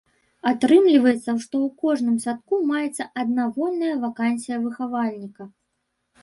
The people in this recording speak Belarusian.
Атрымліваецца, што ў кожным садку маецца адна вольная вакансія выхавальніка.